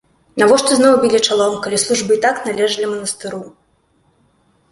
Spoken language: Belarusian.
Навошта зноў білі чалом, калі службы і так належалі манастыру?